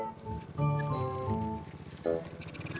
ini udah bagus